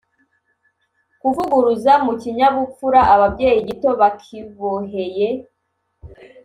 kuvuguruza mu kinyabupfura ababyeyi gito bakiboheye